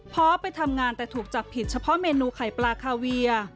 พอไปทำงานแต่ถูกจับผิดเฉพาะเมนูไข่ปลาคาเวีย